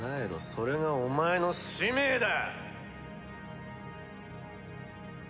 それがお前の使命だ！